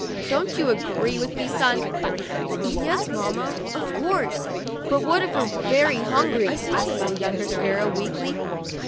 Don't you agree with me, son ?' "Yes, mamma, of course; but what if we're very hungry?" asked the younger sparrow, weakly.